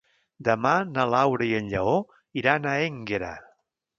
Demà na Laura i en Lleó iran a Énguera.